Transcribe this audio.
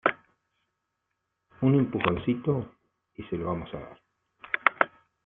un empujoncito, y se lo vamos a dar.